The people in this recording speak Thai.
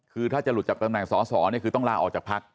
คือถ้าจะหลุดจากตำแหน่งสอสอเนี่ยคือต้องลาออกจากพัก